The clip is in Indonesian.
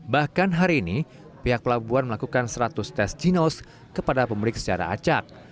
bahkan hari ini pihak pelabuhan melakukan seratus tes jinos kepada pemudik secara acak